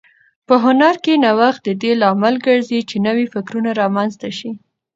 په هنر کې نوښت د دې لامل ګرځي چې نوي فکرونه رامنځته شي.